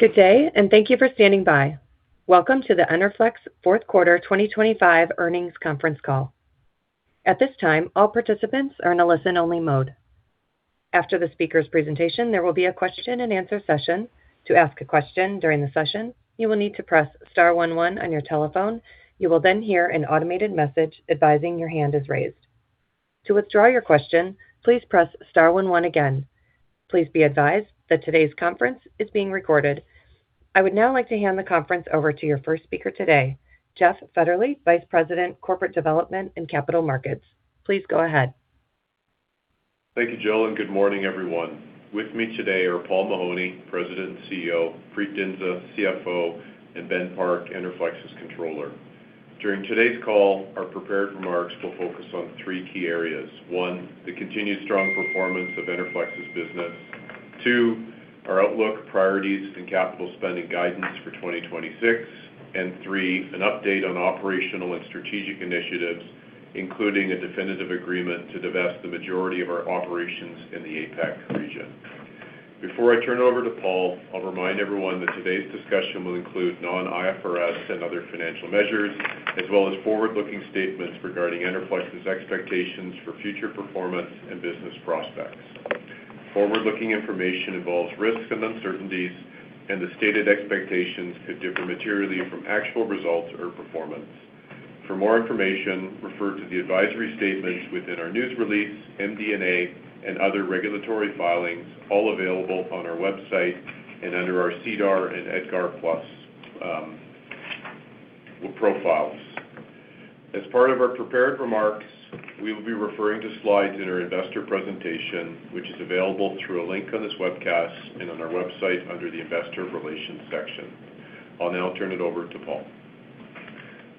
Good day, and thank you for standing by. Welcome to the Enerflex Fourth Quarter 2025 Earnings Conference Call. At this time, all participants are in a listen-only mode. After the speaker's presentation, there will be a question-and-answer session. To ask a question during the session, you will need to press star one one on your telephone. You will then hear an automated message advising your hand is raised. To withdraw your question, please press star one one again. Please be advised that today's conference is being recorded. I would now like to hand the conference over to your first speaker today, Jeff Fetterly, Vice President, Corporate Development and Capital Markets. Please go ahead. Thank you, Jill. Good morning, everyone. With me today are Paul Mahoney, President and CEO, Preet Dhindsa, CFO, and Ben Park, Enerflex's Controller. During today's call, our prepared remarks will focus on three key areas. One, the continued strong performance of Enerflex's business. Two, our outlook, priorities, and capital spending guidance for 2026. Three, an update on operational and strategic initiatives, including a definitive agreement to divest the majority of our operations in the APAC region. Before I turn it over to Paul, I'll remind everyone that today's discussion will include non-IFRS and other financial measures, as well as forward-looking statements regarding Enerflex's expectations for future performance and business prospects. Forward-looking information involves risks and uncertainties. The stated expectations could differ materially from actual results or performance. For more information, refer to the advisory statements within our news release, MD&A, and other regulatory filings, all available on our website and under our SEDAR and EDGAR plus profiles. As part of our prepared remarks, we will be referring to slides in our investor presentation, which is available through a link on this webcast and on our website under the Investor Relations section. I'll now turn it over to Paul.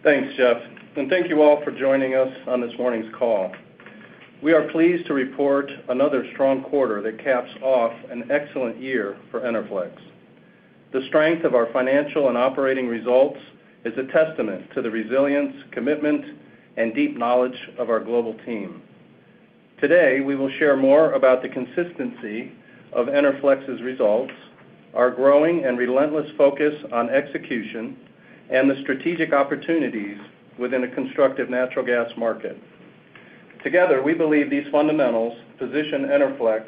Thanks, Jeff. Thank you all for joining us on this morning's call. We are pleased to report another strong quarter that caps off an excellent year for Enerflex. The strength of our financial and operating results is a testament to the resilience, commitment, and deep knowledge of our global team. Today, we will share more about the consistency of Enerflex's results, our growing and relentless focus on execution, and the strategic opportunities within a constructive natural gas market. Together, we believe these fundamentals position Enerflex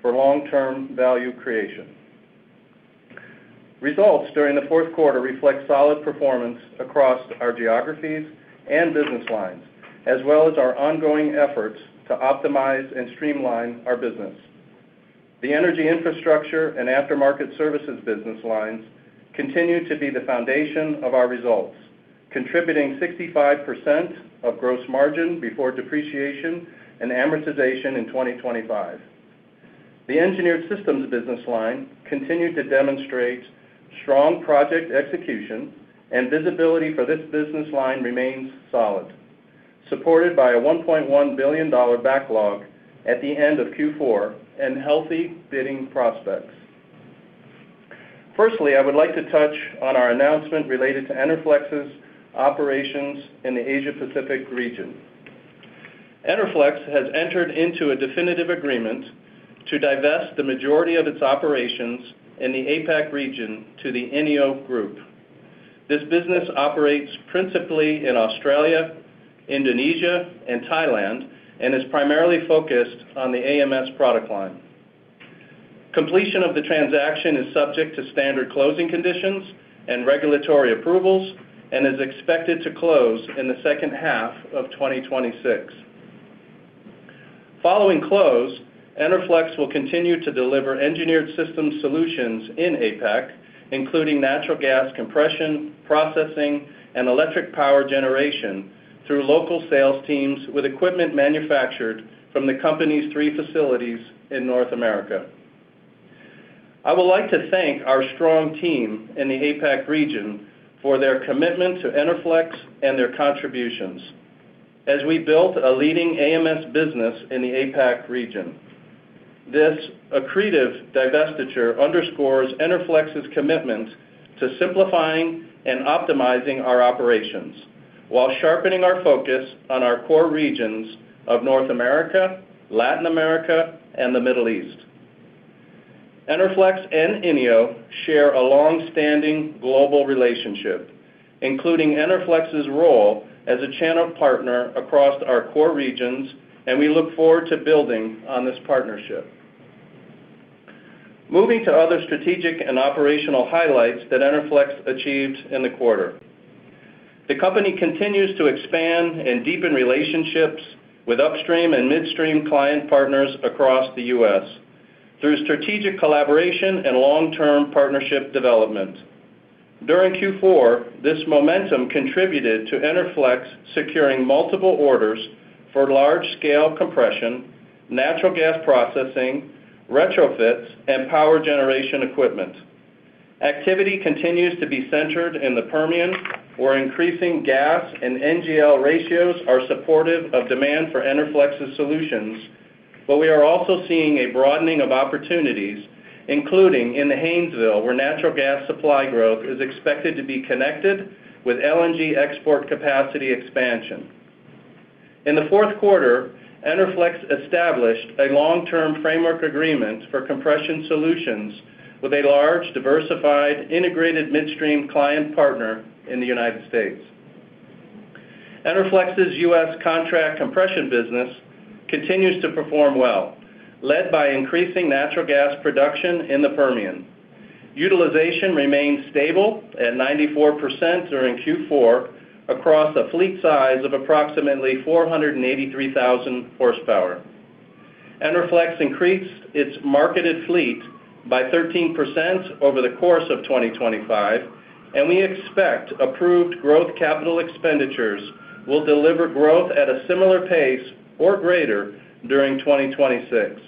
for long-term value creation. Results during the fourth quarter reflect solid performance across our geographies and business lines, as well as our ongoing efforts to optimize and streamline our business. The energy infrastructure and aftermarket services business lines continue to be the foundation of our results, contributing 65% of gross margin before depreciation and amortization in 2025. The Engineered Systems business line continued to demonstrate strong project execution, and visibility for this business line remains solid, supported by a $1.1 billion backlog at the end of Q4 and healthy bidding prospects. Firstly, I would like to touch on our announcement related to Enerflex's operations in the Asia Pacific region. Enerflex has entered into a definitive agreement to divest the majority of its operations in the APAC region to the INNIO Group. This business operates principally in Australia, Indonesia, and Thailand, and is primarily focused on the AMS product line. Completion of the transaction is subject to standard closing conditions and regulatory approvals and is expected to close in the second half of 2026. Following close, Enerflex will continue to deliver engineered system solutions in APAC, including natural gas compression, processing, and electric power generation through local sales teams with equipment manufactured from the company's three facilities in North America. I would like to thank our strong team in the APAC region for their commitment to Enerflex and their contributions as we built a leading AMS business in the APAC region. This accretive divestiture underscores Enerflex's commitment to simplifying and optimizing our operations while sharpening our focus on our core regions of North America, Latin America, and the Middle East. Enerflex and INNIO share a long-standing global relationship, including Enerflex's role as a channel partner across our core regions. We look forward to building on this partnership. Moving to other strategic and operational highlights that Enerflex achieved in the quarter. The company continues to expand and deepen relationships with upstream and midstream client partners across the U.S. through strategic collaboration and long-term partnership development. During Q4, this momentum contributed to Enerflex securing multiple orders for large-scale compression, natural gas processing, retrofits, and power generation equipment. Activity continues to be centered in the Permian, where increasing gas and NGL ratios are supportive of demand for Enerflex's solutions. We are also seeing a broadening of opportunities, including in the Haynesville, where natural gas supply growth is expected to be connected with LNG export capacity expansion. In the fourth quarter, Enerflex established a long-term framework agreement for compression solutions with a large, diversified, integrated midstream client partner in the United States. Enerflex's U.S. contract compression business continues to perform well, led by increasing natural gas production in the Permian. Utilization remained stable at 94% during Q4 across a fleet size of approximately 483,000 horsepower. Enerflex increased its marketed fleet by 13% over the course of 2025. We expect approved growth capital expenditures will deliver growth at a similar pace or greater during 2026.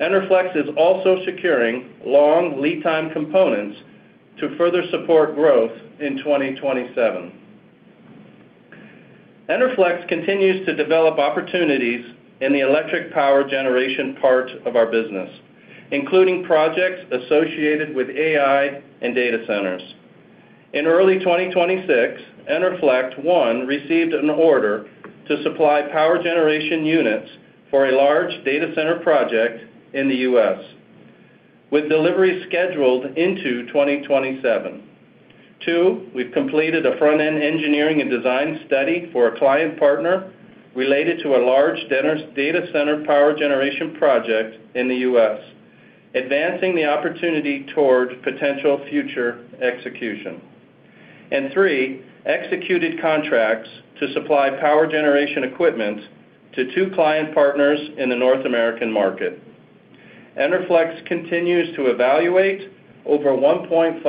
Enerflex is also securing long lead time components to further support growth in 2027. Enerflex continues to develop opportunities in the electric power generation part of our business, including projects associated with AI and data centers. In early 2026, Enerflex received an order to supply power generation units for a large data center project in the U.S., with delivery scheduled into 2027. Two, we've completed a front-end engineering and design study for a client partner related to a large data center power generation project in the U.S., advancing the opportunity toward potential future execution. Three, executed contracts to supply power generation equipment to two client partners in the North American market. Enerflex continues to evaluate over 1.5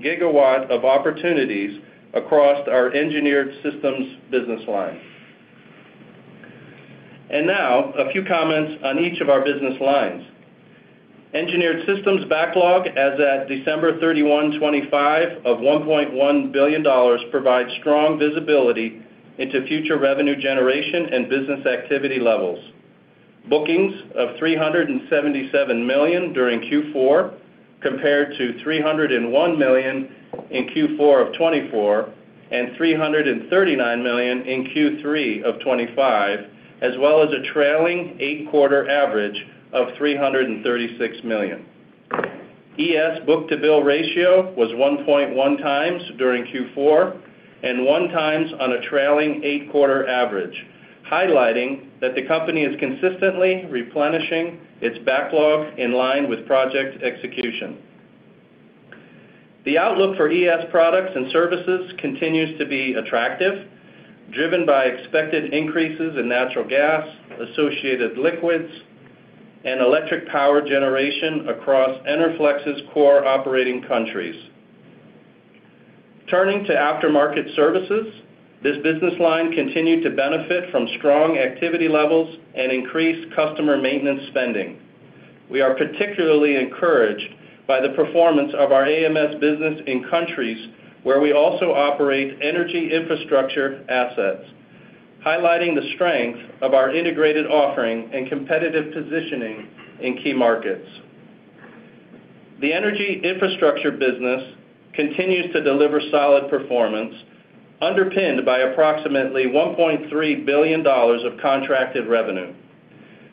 GW of opportunities across our Engineered Systems business line. Now, a few comments on each of our business lines. Engineered Systems backlog as at December 31, 2025, of $1.1 billion, provides strong visibility into future revenue generation and business activity levels. Bookings of $377 million during Q4, compared to $301 million in Q4 of 2024, and $339 million in Q3 of 2025, as well as a trailing eight-quarter average of $336 million. ES book-to-bill ratio was 1.1x during Q4, 1 time on a trailing eight-quarter average, highlighting that the company is consistently replenishing its backlog in line with project execution. The outlook for ES products and services continues to be attractive, driven by expected increases in natural gas, associated liquids, and electric power generation across Enerflex's core operating countries. Turning to aftermarket services, this business line continued to benefit from strong activity levels and increased customer maintenance spending. We are particularly encouraged by the performance of our AMS business in countries where we also operate energy infrastructure assets, highlighting the strength of our integrated offering and competitive positioning in key markets. The energy infrastructure business continues to deliver solid performance, underpinned by approximately $1.3 billion of contracted revenue.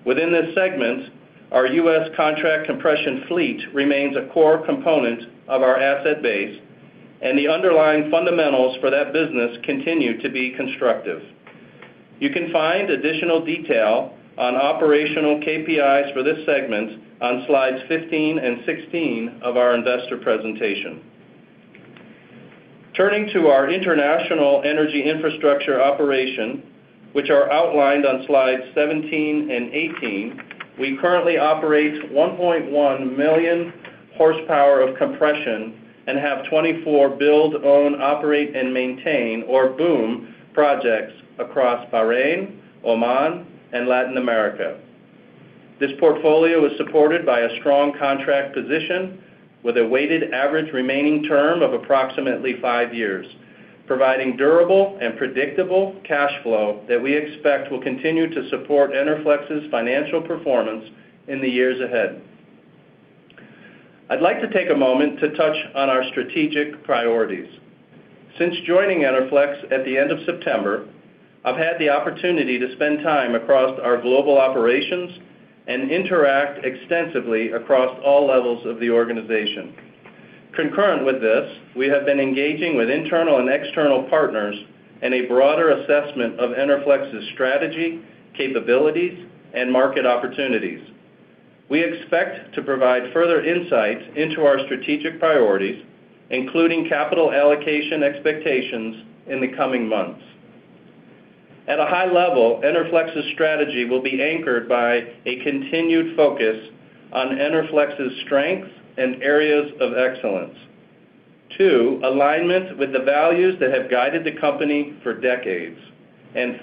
Within this segment, our U.S. contract compression fleet remains a core component of our asset base. The underlying fundamentals for that business continue to be constructive. You can find additional detail on operational KPIs for this segment on slides 15 and 16 of our investor presentation. Turning to our international energy infrastructure operation, which are outlined on slides 17 and 18, we currently operate 1.1 million horsepower of compression and have 24 build, own, operate, and maintain, or BOOM, projects across Bahrain, Oman, and Latin America. This portfolio is supported by a strong contract position with a weighted average remaining term of approximately five years, providing durable and predictable cash flow that we expect will continue to support Enerflex's financial performance in the years ahead. I'd like to take a moment to touch on our strategic priorities. Since joining Enerflex at the end of September, I've had the opportunity to spend time across our global operations and interact extensively across all levels of the organization. Concurrent with this, we have been engaging with internal and external partners in a broader assessment of Enerflex's strategy, capabilities, and market opportunities. We expect to provide further insights into our strategic priorities, including capital allocation expectations, in the coming months. At a high level, Enerflex's strategy will be anchored by a continued focus on Enerflex's strengths and areas of excellence. Two, alignment with the values that have guided the company for decades.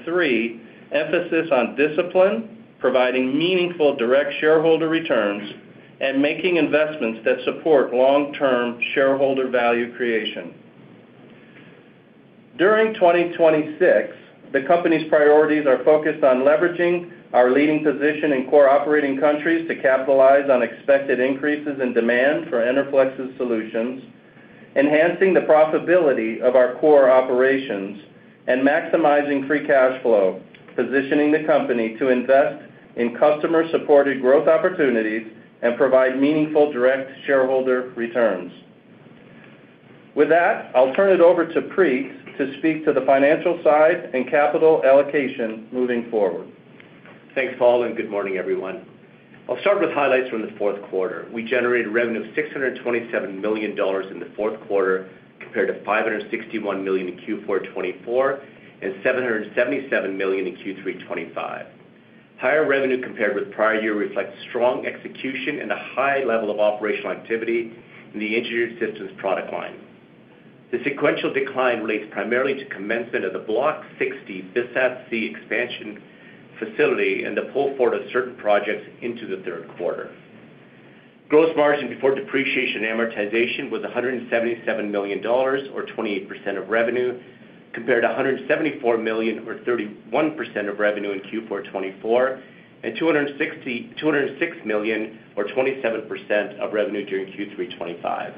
Three, emphasis on discipline, providing meaningful direct shareholder returns, and making investments that support long-term shareholder value creation. During 2026, the company's priorities are focused on leveraging our leading position in core operating countries to capitalize on expected increases in demand for Enerflex's solutions. enhancing the profitability of our core operations and maximizing free cash flow, positioning the company to invest in customer-supported growth opportunities and provide meaningful direct shareholder returns. With that, I'll turn it over to Preet to speak to the financial side and capital allocation moving forward. Thanks, Paul. Good morning, everyone. I'll start with highlights from the fourth quarter. We generated revenue of $627 million in the fourth quarter, compared to $561 million in Q4 2024 and $777 million in Q3 2025. Higher revenue compared with prior year reflects strong execution and a high level of operational activity in the Engineered Systems product line. The sequential decline relates primarily to commencement of the Block 60 BSAT C expansion facility and the pull forward of certain projects into the third quarter. Gross margin before depreciation and amortization was $177 million, or 28% of revenue, compared to $174 million, or 31% of revenue in Q4 2024, and $206 million, or 27% of revenue during Q3 2025.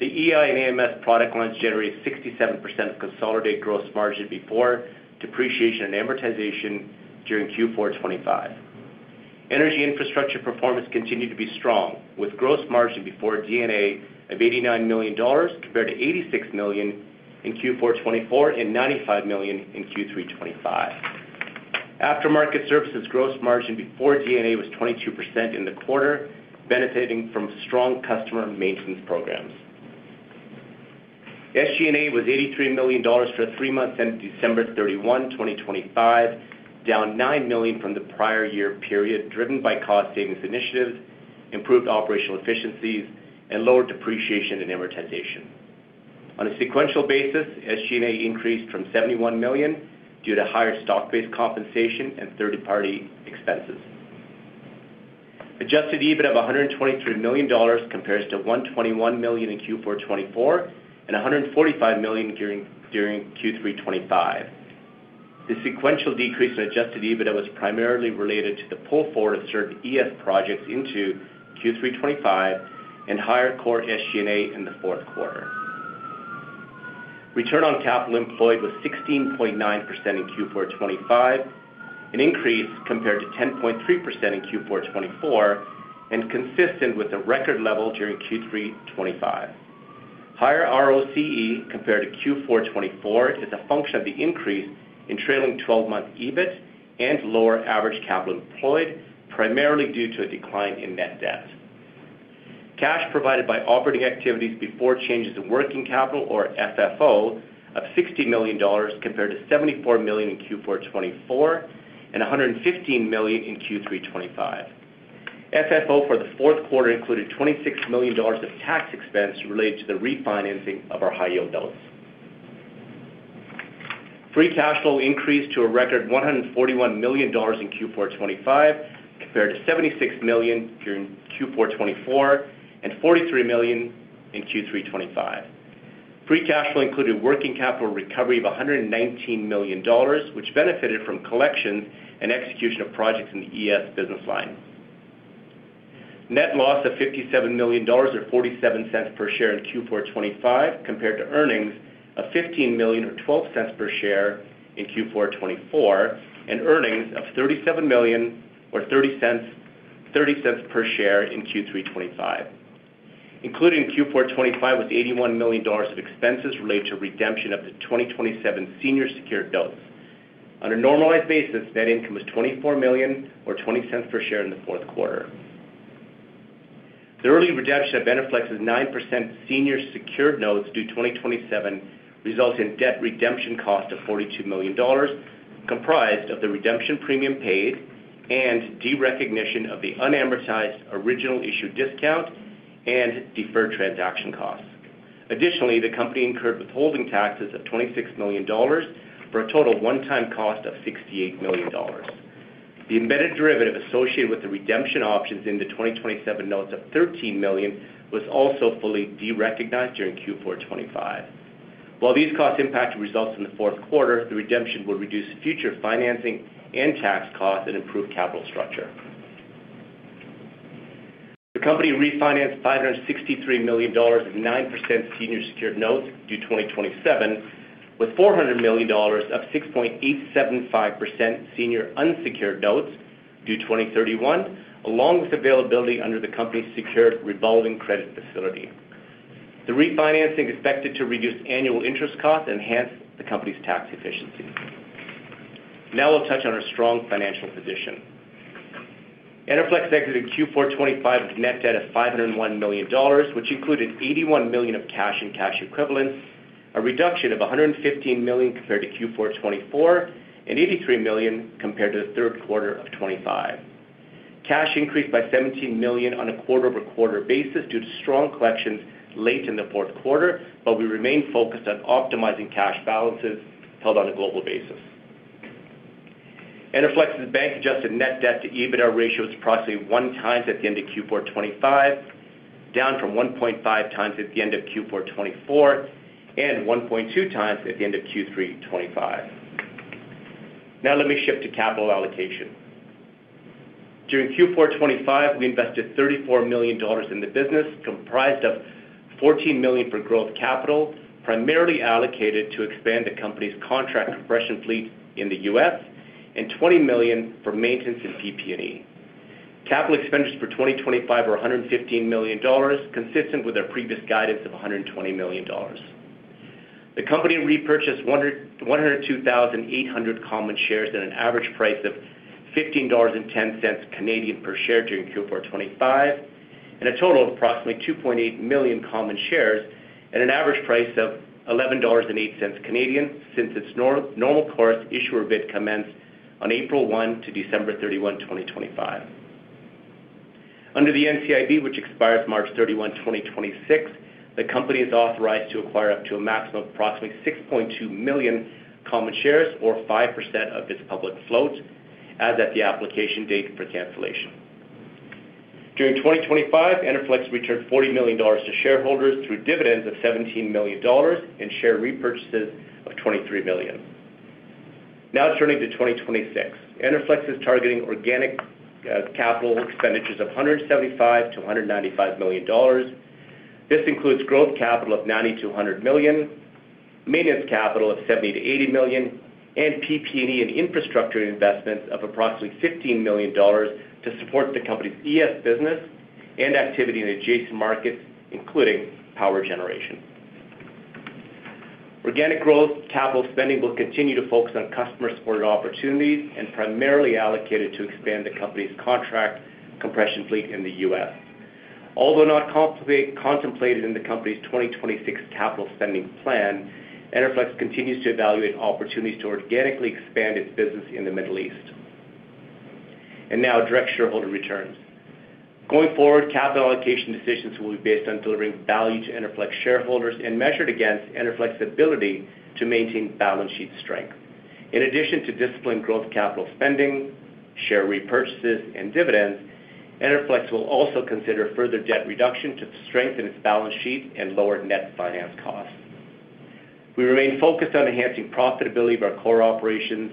The EI and AMS product lines generated 67% of consolidated gross margin before depreciation and amortization during Q4 2025. Energy infrastructure performance continued to be strong, with gross margin before D&A of $89 million, compared to $86 million in Q4 2024 and $95 million in Q3 2025. Aftermarket services gross margin before D&A was 22% in the quarter, benefiting from strong customer maintenance programs. SG&A was $83 million for the three months ended December 31, 2025, down $9 million from the prior year period, driven by cost savings initiatives, improved operational efficiencies, and lower depreciation and amortization. On a sequential basis, SG&A increased from $71 million due to higher stock-based compensation and third-party expenses. Adjusted EBITDA of $123 million compares to $121 million in Q4 2024 and $145 million during Q3 2025. The sequential decrease in Adjusted EBITDA was primarily related to the pull forward of certain ES projects into Q3 2025 and higher core SG&A in the fourth quarter. Return on capital employed was 16.9% in Q4 2025, an increase compared to 10.3% in Q4 2024, and consistent with the record level during Q3 2025. Higher ROCE compared to Q4 2024 is a function of the increase in trailing 12-month EBIT and lower average capital employed, primarily due to a decline in net debt. Cash provided by operating activities before changes in working capital, or FFO, of $60 million, compared to $74 million in Q4 2024 and $115 million in Q3 2025. FFO for the fourth quarter included $26 million of tax expense related to the refinancing of our high-yield notes. Free cash flow increased to a record $141 million in Q4 2025, compared to $76 million during Q4 2024 and $43 million in Q3 2025. Free cash flow included working capital recovery of $119 million, which benefited from collection and execution of projects in the ES business line. Net loss of $57 million, or $0.47 per share in Q4 2025, compared to earnings of $15 million or $0.12 per share in Q4 2024, and earnings of $37 million or $0.30 per share in Q3 2025. Including Q4 2025, with $81 million of expenses related to redemption of the 2027 senior secured notes. On a normalized basis, net income was $24 million or $0.20 per share in the fourth quarter. The early redemption of Enerflex's 9% senior secured notes due 2027, results in debt redemption cost of $42 million, comprised of the redemption premium paid and derecognition of the unamortized original issue discount and deferred transaction costs. The company incurred withholding taxes of $26 million, for a total one-time cost of $68 million. The embedded derivative associated with the redemption options in the 2027 notes of $13 million was also fully derecognized during Q4 2025. While these costs impacted results in the fourth quarter, the redemption will reduce future financing and tax costs and improve capital structure. The company refinanced $563 million in 9% senior secured notes, due 2027, with $400 million of 6.875% senior unsecured notes, due 2031, along with availability under the company's secured revolving credit facility. The refinancing is expected to reduce annual interest costs and enhance the company's tax efficiency. Now we'll touch on our strong financial position. Enerflex exited Q4 2025 with net debt of $501 million, which included $81 million of cash and cash equivalents, a reduction of $115 million compared to Q4 2024, and $83 million compared to the third quarter of 2025. Cash increased by $17 million on a quarter-over-quarter basis due to strong collections late in the fourth quarter, but we remain focused on optimizing cash balances held on a global basis. Enerflex's bank-adjusted net debt to EBITDA ratio is approximately 1x at the end of Q4 2025, down from 1.5x at the end of Q4 2024, and 1.2x at the end of Q3 2025. Now let me shift to capital allocation. During Q4 2025, we invested $34 million in the business, comprised of $14 million for growth capital, primarily allocated to expand the company's contract compression fleet in the U.S., and $20 million for maintenance and PP&E. Capital expenditures for 2025 are $115 million, consistent with our previous guidance of $120 million. The company repurchased 102,800 common shares at an average price of 15.10 Canadian dollars per share during Q4 2025, and a total of approximately 2.8 million common shares at an average price of 11.08 Canadian dollars since its normal course issuer bid commenced on April 1 to December 31, 2025. Under the NCIB, which expires March 31, 2026, the company is authorized to acquire up to a maximum of approximately 6.2 million common shares or 5% of its public float, as at the application date for cancellation. During 2025, Enerflex returned $40 million to shareholders through dividends of $17 million and share repurchases of $23 million. Now turning to 2026. Enerflex is targeting organic capital expenditures of $175 million-$195 million. This includes growth capital of $90 million-$100 million, maintenance capital of $70 million-$80 million, and PP&E and infrastructure investments of approximately $15 million to support the company's ES business and activity in adjacent markets, including power generation. Organic growth capital spending will continue to focus on customer-supported opportunities and primarily allocated to expand the company's contract compression fleet in the U.S. Although not contemplated in the company's 2026 capital spending plan, Enerflex continues to evaluate opportunities to organically expand its business in the Middle East. Now, direct shareholder returns. Going forward, capital allocation decisions will be based on delivering value to Enerflex shareholders and measured against Enerflex's ability to maintain balance sheet strength. In addition to disciplined growth capital spending, share repurchases, and dividends, Enerflex will also consider further debt reduction to strengthen its balance sheet and lower net finance costs. We remain focused on enhancing profitability of our core operations,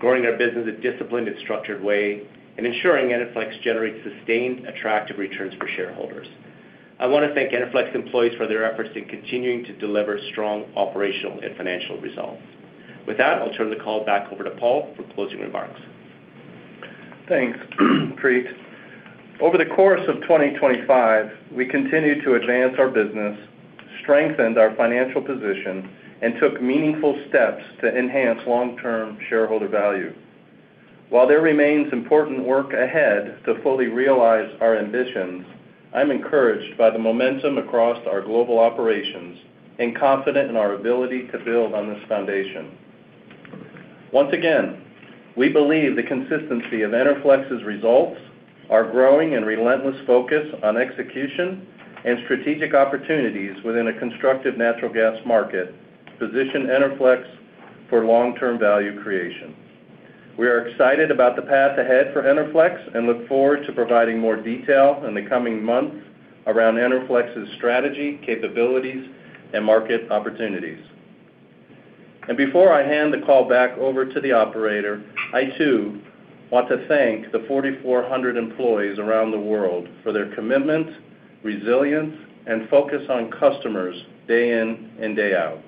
growing our business in a disciplined and structured way, and ensuring Enerflex generates sustained, attractive returns for shareholders. I want to thank Enerflex employees for their efforts in continuing to deliver strong operational and financial results. With that, I'll turn the call back over to Paul for closing remarks. Thanks, Preet. Over the course of 2025, we continued to advance our business, strengthened our financial position, and took meaningful steps to enhance long-term shareholder value. While there remains important work ahead to fully realize our ambitions, I'm encouraged by the momentum across our global operations and confident in our ability to build on this foundation. Once again, we believe the consistency of Enerflex's results are growing and relentless focus on execution and strategic opportunities within a constructive natural gas market, position Enerflex for long-term value creation. We are excited about the path ahead for Enerflex and look forward to providing more detail in the coming months around Enerflex's strategy, capabilities, and market opportunities. Before I hand the call back over to the operator, I, too, want to thank the 4,400 employees around the world for their commitment, resilience, and focus on customers day in and day out.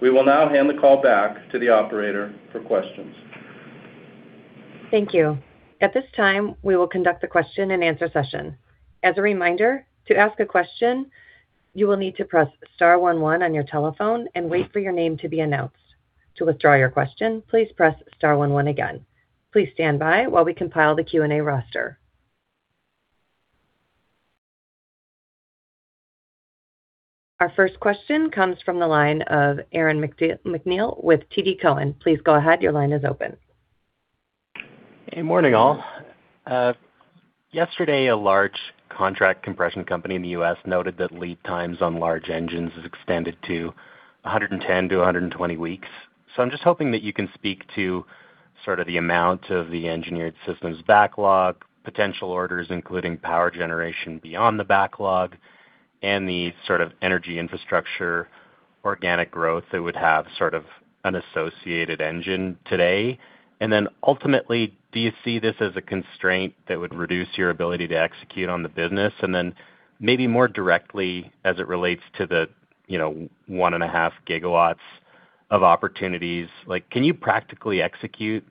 We will now hand the call back to the operator for questions. Thank you. At this time, we will conduct the question-and-answer session. As a reminder, to ask a question, you will need to press star one one on your telephone and wait for your name to be announced. To withdraw your question, please press star one one again. Please stand by while we compile the Q&A roster. Our first question comes from the line of Aaron MacNeil with TD Cowen. Please go ahead. Your line is open. Hey, morning, all. Yesterday, a large contract compression company in the U.S. noted that lead times on large engines has extended to 110-120 weeks. I'm just hoping that you can speak to sort of the amount of the Engineered Systems backlog, potential orders, including power generation beyond the backlog, and the sort of energy infrastructure, organic growth that would have sort of an associated engine today. Ultimately, do you see this as a constraint that would reduce your ability to execute on the business? Maybe more directly as it relates to the, you know, 1.5 GW of opportunities, like, can you practically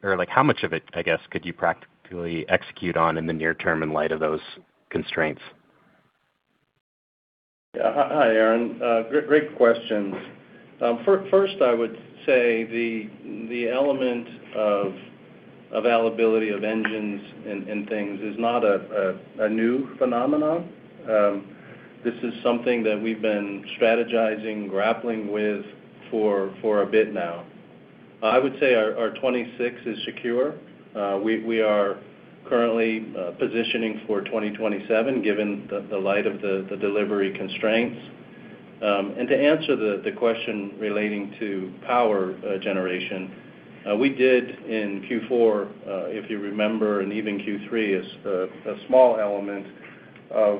or like, how much of it, I guess, could you practically execute on in the near term in light of those constraints? Yeah. Hi, Aaron. Great, great questions. First, I would say the element of availability of engines and things is not a new phenomenon. This is something that we've been strategizing, grappling with for a bit now. I would say our 2026 is secure. We are currently positioning for 2027, given the light of the delivery constraints. To answer the question relating to power generation, we did in Q4, if you remember, and even Q3, is a small element of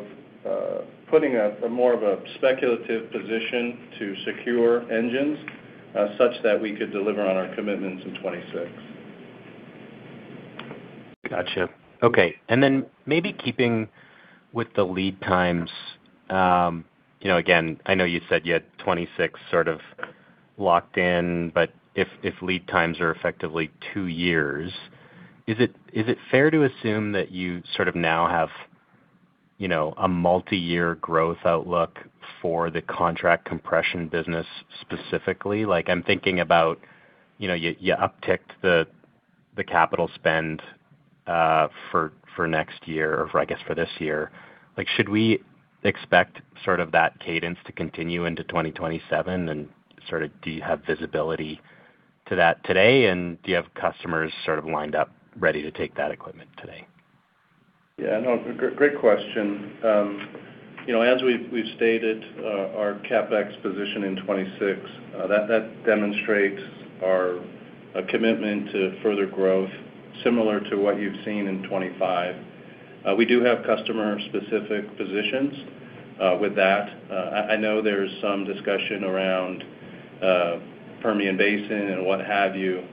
putting a more of a speculative position to secure engines. Such that we could deliver on our commitments in 2026. Gotcha. Okay. Maybe keeping with the lead times, you know, again, I know you said you had 26 sort of locked in, but if lead times are effectively two years, is it fair to assume that you sort of now have, you know, a multi-year growth outlook for the contract compression business specifically? Like, I'm thinking about, you know, you upticked the capital spend for next year or for, I guess, for this year. Like, should we expect sort of that cadence to continue into 2027? Do you have visibility to that today, and do you have customers sort of lined up ready to take that equipment today? Yeah, no, great question. You know, as we've stated, our CapEx position in 2026, that demonstrates our commitment to further growth, similar to what you've seen in 2025. We do have customer-specific positions with that. I know there's some discussion around Permian Basin and what have you.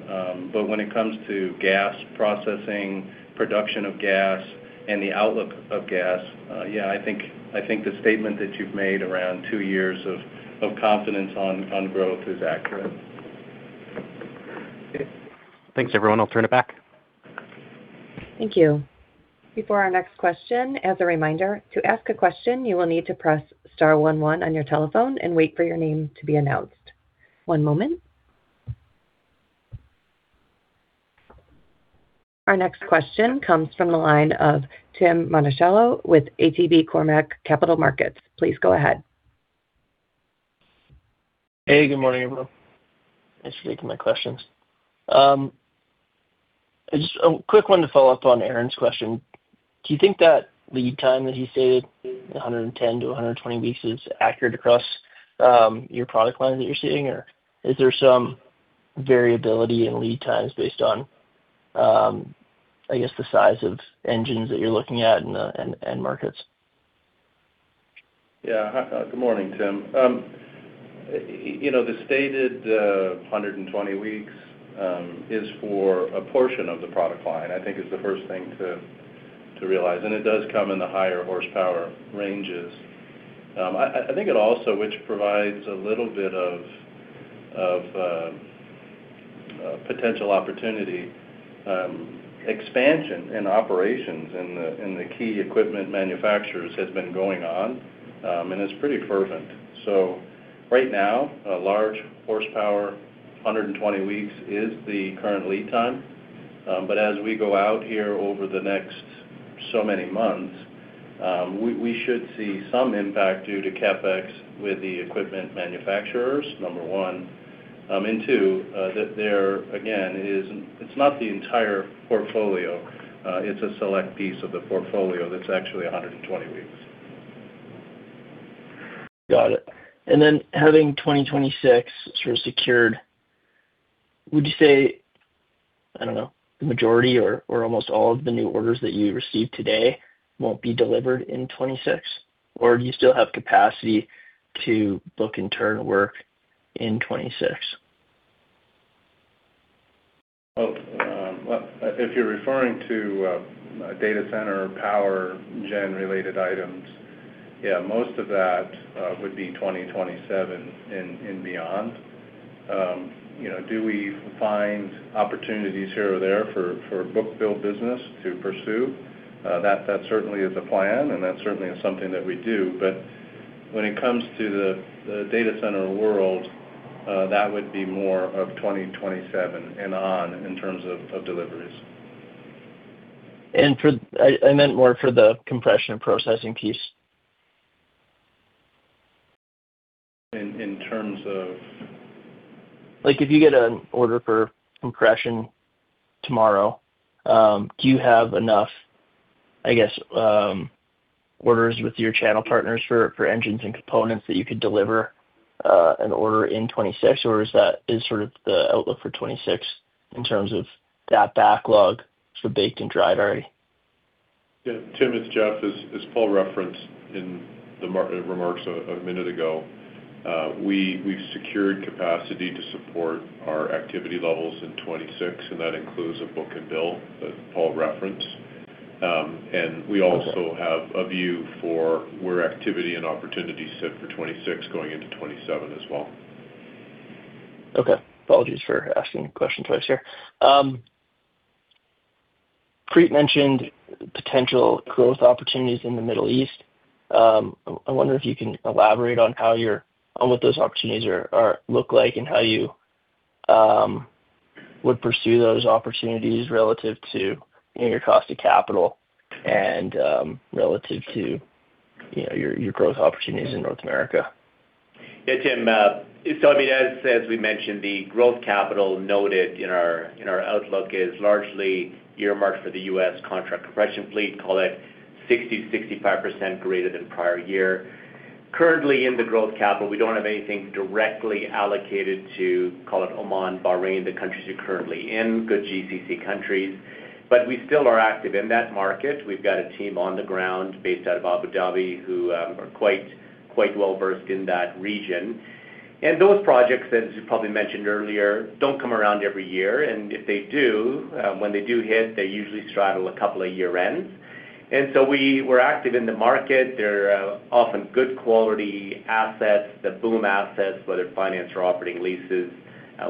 When it comes to gas processing, production of gas, and the outlook of gas, yeah, I think, I think the statement that you've made around two years of confidence on growth is accurate. Thanks, everyone. I'll turn it back. Thank you. Before our next question, as a reminder, to ask a question, you will need to press star one one on your telephone and wait for your name to be announced. One moment. Our next question comes from the line of Tim Monachello with ATB Cormark Capital Markets. Please go ahead. Hey, good morning, everyone. Thanks for taking my questions. Just a quick one to follow up on Aaron's question. Do you think that lead time that you stated, 110-120 weeks, is accurate across your product line that you're seeing? Or is there some variability in lead times based on, I guess, the size of engines that you're looking at and end markets? Yeah. Hi, good morning, Tim. You know, the stated 120 weeks is for a portion of the product line, I think is the first thing to realize, and it does come in the higher horsepower ranges. I think it also, which provides a little bit of potential opportunity, expansion in operations in the key equipment manufacturers has been going on, and it's pretty fervent. Right now, a large horsepower, 120 weeks, is the current lead time. As we go out here over the next so many months, we should see some impact due to CapEx with the equipment manufacturers, number one. Two, that there, again, it's not the entire portfolio, it's a select piece of the portfolio that's actually 120 weeks. Got it. Then having 2026 sort of secured, would you say, I don't know, the majority or almost all of the new orders that you receive today won't be delivered in 2026? Do you still have capacity to book and turn work in 2026? Well, if you're referring to data center or power gen-related items, yeah, most of that would be 2027 and beyond. You know, do we find opportunities here or there for book-to-bill business to pursue? That certainly is a plan, and that certainly is something that we do. When it comes to the data center world, that would be more of 2027 and on in terms of deliveries. I meant more for the compression and processing piece. In terms of? Like, if you get an order for compression tomorrow, do you have enough, I guess, orders with your channel partners for engines and components that you could deliver an order in 26? Or is that sort of the outlook for 26 in terms of that backlog for baked and dry already? Yeah, Tim, it's Jeff. As Paul referenced in the remarks a minute ago, we've secured capacity to support our activity levels in 26, and that includes a book and build that Paul referenced. We also have a view for where activity and opportunities sit for 26, going into 27 as well. Okay. Apologies for asking the question twice here. Preet mentioned potential growth opportunities in the Middle East. I wonder if you can elaborate on what those opportunities look like, and how you would pursue those opportunities relative to, you know, your cost of capital and relative to, you know, your growth opportunities in North America? Yeah, Tim, I mean, as we mentioned, the growth capital noted in our outlook is largely earmarked for the U.S. contract compression fleet, call it 60%-65% greater than prior year. Currently, in the growth capital, we don't have anything directly allocated to, call it, Oman, Bahrain, the countries you're currently in, good GCC countries, but we still are active in that market. We've got a team on the ground based out of Abu Dhabi, who are quite well-versed in that region. Those projects, as you probably mentioned earlier, don't come around every year, and if they do, when they do hit, they usually straddle a couple of year-ends. We're active in the market. There are often good quality assets, the BOOM assets, whether finance or operating leases,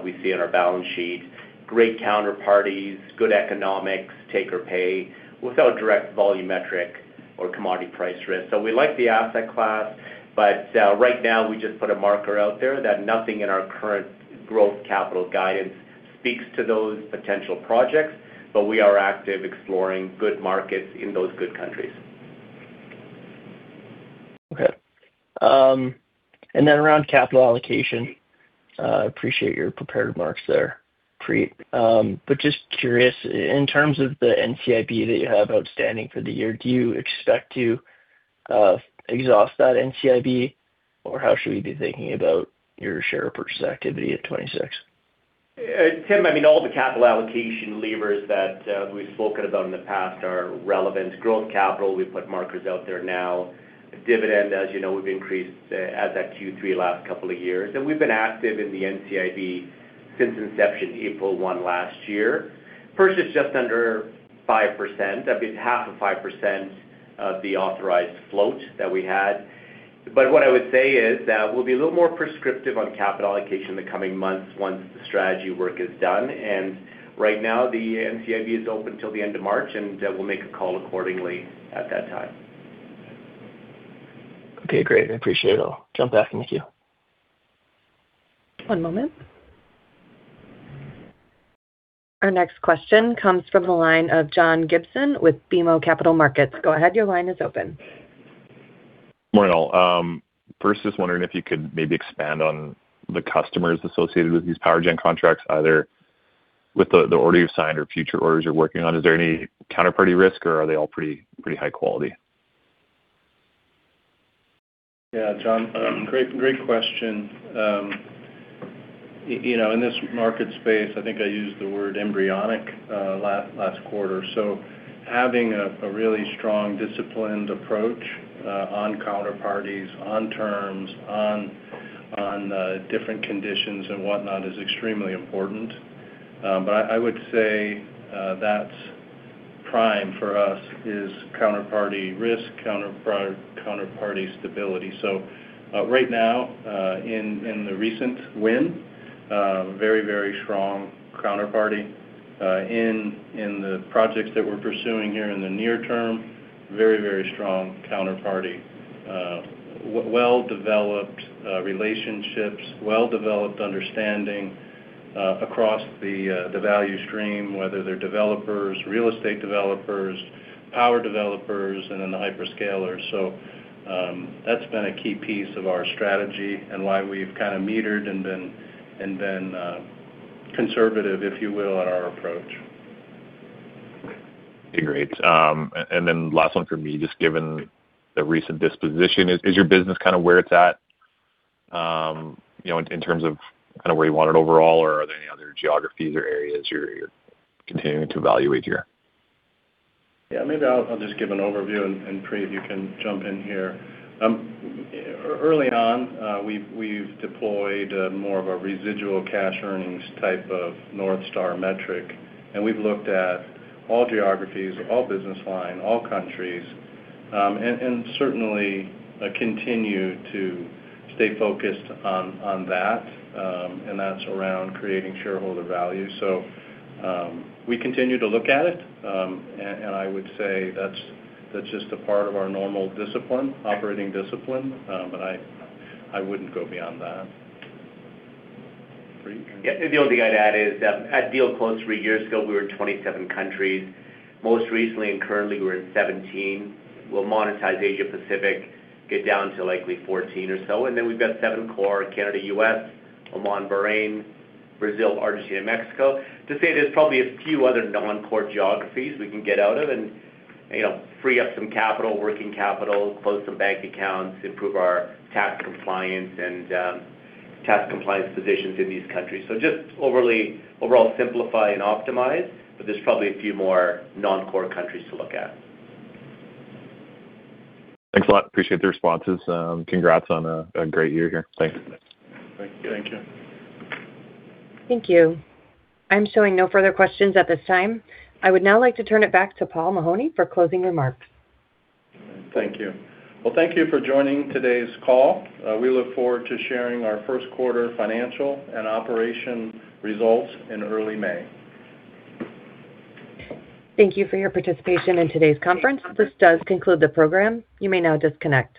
we see on our balance sheet, great counterparties, good economics, take or pay, without direct volumetric or commodity price risk. We like the asset class, but right now, we just put a marker out there that nothing in our current growth capital guidance speaks to those potential projects, but we are active exploring good markets in those good countries. Around capital allocation, appreciate your prepared remarks there, Preet. Just curious, in terms of the NCIB that you have outstanding for the year, do you expect to exhaust that NCIB, or how should we be thinking about your share purchase activity at 2026? Tim, I mean, all the capital allocation levers that we've spoken about in the past are relevant. Growth capital, we've put markers out there now. Dividend, as you know, we've increased as at Q3 last couple of years. We've been active in the NCIB since inception, April 1 last year. Purchased just under 5%, that'd be half of 5% of the authorized float that we had. What I would say is that we'll be a little more prescriptive on capital allocation in the coming months once the strategy work is done. Right now, the NCIB is open till the end of March, and we'll make a call accordingly at that time. Okay, great. I appreciate it. I'll jump back in the queue. One moment. Our next question comes from the line of John Gibson with BMO Capital Markets. Go ahead, your line is open. Morning, all. First, just wondering if you could maybe expand on the customers associated with these power gen contracts, either with the order you've signed or future orders you're working on. Is there any counterparty risk, or are they all pretty high quality? Yeah, John, great question. You know, in this market space, I think I used the word embryonic, last quarter. Having a really strong, disciplined approach, on counterparties, on terms, on different conditions and whatnot is extremely important. I would say, that's prime for us is counterparty risk, counterparty stability. Right now, in the recent win, very, very strong counterparty. In the projects that we're pursuing here in the near term, very, very strong counterparty. Well-developed relationships, well-developed understanding, across the value stream, whether they're developers, real estate developers, power developers, and then the hyperscalers. That's been a key piece of our strategy and why we've kind of metered and been conservative, if you will, in our approach. Great. Last one for me, just given the recent disposition, is your business kind of where it's at, you know, in terms of kind of where you want it overall, or are there any other geographies or areas you're continuing to evaluate here? Yeah, maybe I'll just give an overview, and Preet, you can jump in here. Early on, we've deployed more of a residual cash earnings type of North Star metric, and we've looked at all geographies, all business line, all countries, and certainly, continue to stay focused on that, and that's around creating shareholder value. We continue to look at it, and I would say that's just a part of our normal discipline, operating discipline, but I wouldn't go beyond that. Preet? The only thing I'd add is that at deal close three years ago, we were in 27 countries. Most recently and currently, we're in 17. We'll monetize Asia Pacific, get down to likely 14 or so, and then we've got seven core, Canada, US, Oman, Bahrain, Brazil, Argentina, Mexico. To say there's probably a few other non-core geographies we can get out of and, you know, free up some capital, working capital, close some bank accounts, improve our tax compliance and tax compliance positions in these countries. Just overall, simplify and optimize, but there's probably a few more non-core countries to look at. Thanks a lot. Appreciate the responses. Congrats on a great year here. Thanks. Thank you. Thank you. Thank you. I'm showing no further questions at this time. I would now like to turn it back to Paul Mahoney for closing remarks. Thank you. Well, thank you for joining today's call. We look forward to sharing our first quarter financial and operation results in early May. Thank you for your participation in today's conference. This does conclude the program. You may now disconnect.